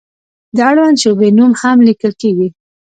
د اړونده شعبې نوم هم لیکل کیږي.